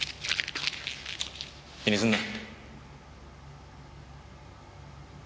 気にするな。